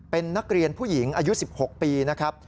เป็นนักเรียนผู้หญิงอายุ๑๖ปีนะครับ